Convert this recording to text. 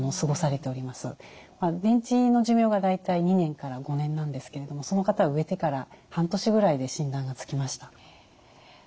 電池の寿命が大体２年から５年なんですけれどもその方は植えてから半年ぐらいで診断がつきました。